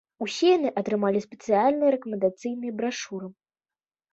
Усе яны атрымалі спецыяльныя рэкамендацыйныя брашуры.